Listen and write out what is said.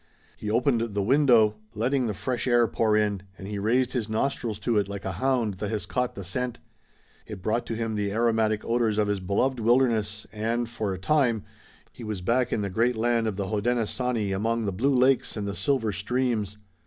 He opened the window, letting the fresh air pour in, and he raised his nostrils to it like a hound that has caught the scent. It brought to him the aromatic odors of his beloved wilderness, and, for a time, he was back in the great land of the Hodenosaunee among the blue lakes and the silver streams.